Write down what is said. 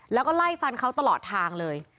แล้วก็ไล่ฟันเขาตลอดทางเลย